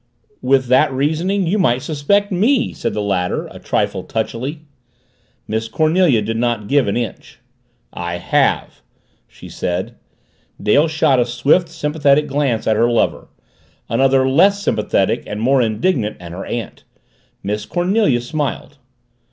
"With that reasoning you might suspect me!" said the latter a trifle touchily. Miss Cornelia did not give an inch. "I have," she said. Dale shot a swift, sympathetic glance at her lover, another less sympathetic and more indignant at her aunt. Miss Cornelia smiled.